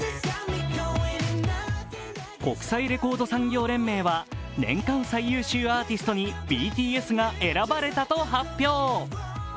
国際レコード産業連盟は年間最優秀アーティストにＢＴＳが選ばれたと発表。